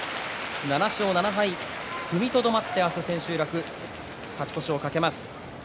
７勝７敗、踏みとどまって明日千秋楽勝ち越しを懸けます。